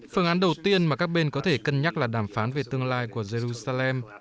phương án đầu tiên mà các bên có thể cân nhắc là đàm phán về tương lai của jerusalem